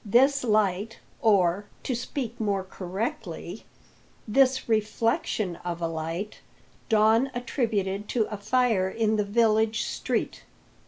This light or, to speak more correctly, this reflection of a light Don attributed to a fire in the village street.